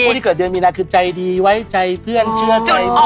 ที่เกิดเดือนมีนาคือใจดีไว้ใจเพื่อนเชื่อใจ